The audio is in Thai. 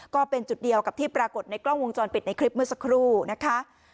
ก็เป็นจุดเดียวกับที่ปรากฏในกล้องวงจรปิดในคลิปเมื่อสักครู่นะคะ